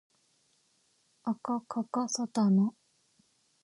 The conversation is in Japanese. あかかかさたな